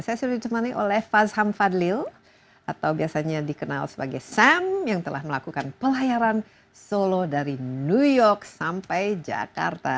saya sudah ditemani oleh fazham fadlil atau biasanya dikenal sebagai sam yang telah melakukan pelayaran solo dari new york sampai jakarta